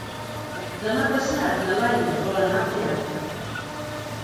Demà passat na Laia vol anar al teatre.